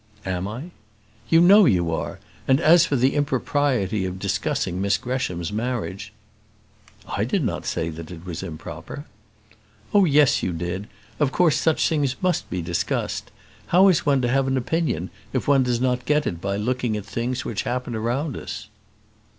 "Am I?" "You know you are: and as for the impropriety of discussing Miss Gresham's marriage " "I did not say it was improper." "Oh, yes, you did; of course such things must be discussed. How is one to have an opinion if one does not get it by looking at the things which happen around us?"